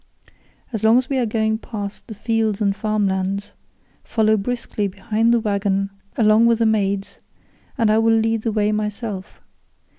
As long as we are going past the fields and farm lands, follow briskly behind the waggon along with the maids and I will lead the way myself.